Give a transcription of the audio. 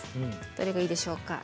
どれがいいでしょうか？